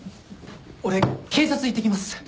俺警察行ってきます。